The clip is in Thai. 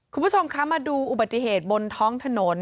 คุณผู้ชมคะมาดูอุบัติเหตุบนท้องถนน